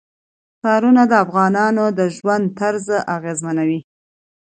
ښارونه د افغانانو د ژوند طرز اغېزمنوي.